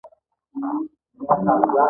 د افغانستان هوا مناسبه ده.